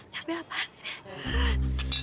cabai apaan ini